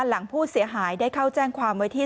หลังผู้เสียหายได้เข้าแจ้งความไว้ที่